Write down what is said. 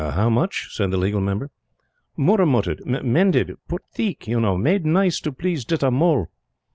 "How much?" said the Legal Member. "Murramutted mended. Put theek, you know made nice to please Ditta Mull!"